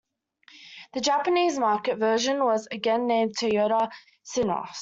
The Japanese market version was again named "Toyota Cynos".